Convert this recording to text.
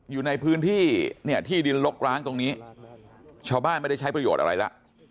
อยู่ในพื้นที่เนี่ยที่ดินลกร้างตรงนี้ชาวบ้านไม่ได้ใช้ประโยชน์อะไรแล้ว